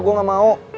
gue gak mau